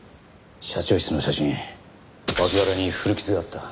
社長室の写真脇腹に古傷があった。